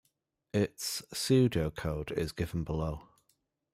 Its pseudocode is given below.